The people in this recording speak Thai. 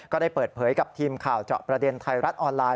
ก็ได้เปิดเผยกับทีมข่าวเจาะประเด็นไทยรัฐออนไลน